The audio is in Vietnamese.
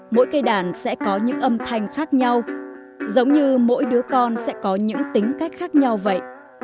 mỗi cây đàn sẽ có những âm thanh khác nhau giống như mỗi đứa con sẽ có những tính cách khác nhau vậy